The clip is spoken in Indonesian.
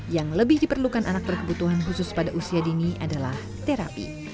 yang lebih diperlukan anak berkebutuhan khusus pada usia dini adalah terapi